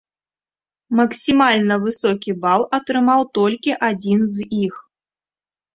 Максімальна высокі бал атрымаў толькі адзін з іх.